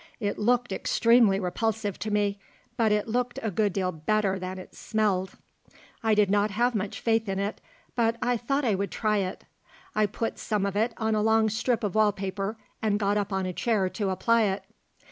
It looked extremely repulsive to me, but it looked a good deal better than it smelled. I did not have much faith in it, but I thought I would try it. I put some of it on a long strip of wall paper and got up on a chair to apply it.